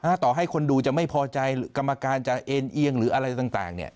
ถ้าต่อให้คนดูจะไม่พอใจกรรมการจะเอ็นเอียงหรืออะไรต่างเนี่ย